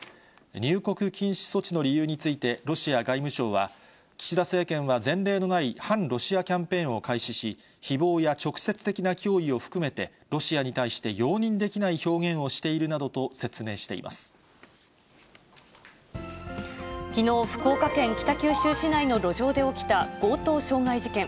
入国禁止措置の理由についてロシア外務省は、岸田政権は前例のない反ロシアキャンペーンを開始し、ひぼうや直接的な脅威を含めて、ロシアに対して容認できない表現きのう、福岡県北九州市内の路上で起きた強盗傷害事件。